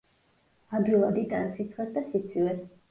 ადვილად იტანს სიცხეს და სიცივეს.